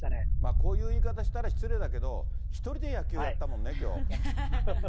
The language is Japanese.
こういう言い方したら失礼だけど、１人で野球やったもんね、きょう。